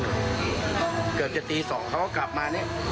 เกือบจะตี๒เขาก็กลับมาเนี่ย